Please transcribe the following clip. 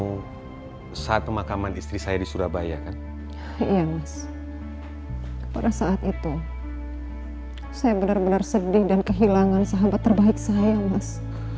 ketemu saat pemakaman istri saya di surabaya kan iya mas pada saat itu saya bener bener sedih dan kehilangan sahabat terbaik saya mas